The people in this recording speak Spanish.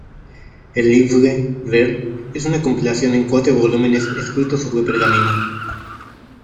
El "Llibre Verd" es una compilación en cuatro volúmenes, escritos sobre pergamino.